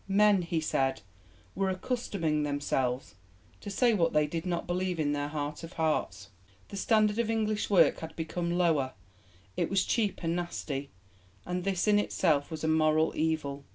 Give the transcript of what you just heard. Men, he said, were accustoming themselves to say what they did not believe in their heart of hearts. The standard of English work had become lower; it was 'cheap and nasty,' and this in itself was a moral evil.